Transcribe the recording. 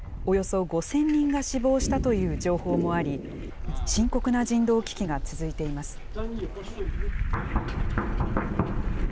およそ５０００人が死亡したという情報もあり、深刻な人道危機が続いています。